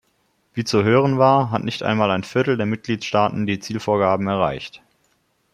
Wie zu hören war, hat nicht einmal ein Viertel der Mitgliedstaaten die Zielvorgaben erreicht.